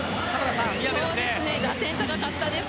打点高かったです